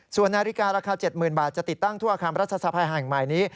ส่วนนาฬิการาคา๗๐๐บาทจะติดตั้งทั่วอาคารรัฐสภาแห่งใหม่นี้